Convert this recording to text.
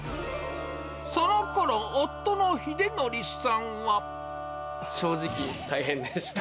そのころ、正直、大変でした。